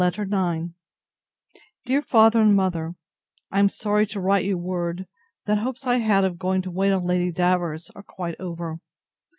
LETTER IX DEAR FATHER AND MOTHER, I am sorry to write you word, that the hopes I had of going to wait on Lady Davers, are quite over.